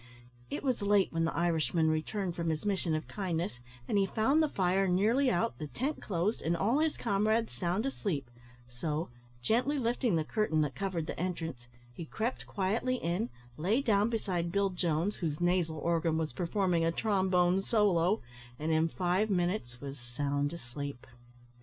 It was late when the Irishman returned from his mission of kindness, and he found the fire nearly out, the tent closed, and all his comrades sound asleep, so, gently lifting the curtain that covered the entrance, he crept quietly in, lay down beside Bill Jones, whose nasal organ was performing a trombone solo, and in five minutes was sound asleep.